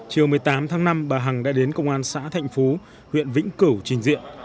chiều một mươi tám tháng năm bà hằng đã đến công an xã thạnh phú huyện vĩnh cửu trình diện